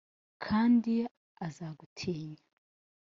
kandi azagutinya.